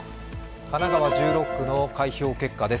神奈川１６区の開票結果です。